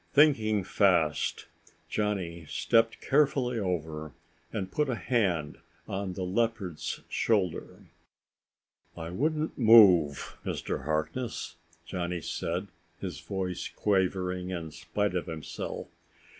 Thinking fast, Johnny stepped carefully over and put a hand on the leopard's shoulder. "I wouldn't move, Mr. Harkness," Johnny said, his voice quavering in spite of himself.